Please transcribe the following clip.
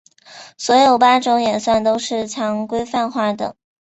所有八种演算都是强规范化的。